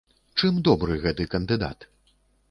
Чым добры гэты кандыдат?